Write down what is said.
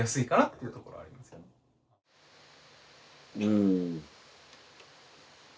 うん。